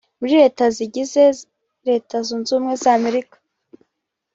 muri Leta zigize Leta Zunze Ubumwe z’Amerika